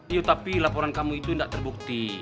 iya tapi laporan kamu itu gak terbukti